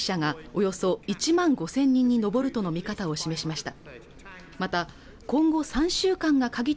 およそ１万５０００人に上るとの見方を示しました